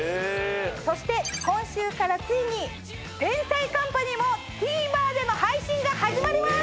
そして今週からついに『天才‼カンパニー』もＴＶｅｒでの配信が始まります！